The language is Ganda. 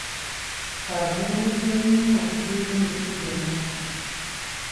Kaabuyonjo z'ebinnya zirina omusingi omunafu.